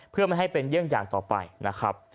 เพื่อไม่ให้เป็นเยี่ยงอย่างต่อไปนะครับ